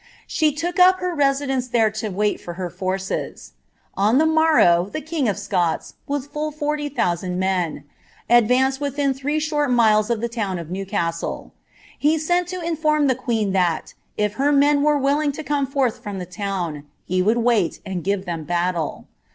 She took up her tesidenco there to mil kt her forces. On the morrow the king of Scots, with full forty dMMh rand men, advanced within three shorl miles of the town o{ HentuHt; he sent to inform the queen tliat, if her men were willing to eoiot ibnh from the town, he would wait and give them battle.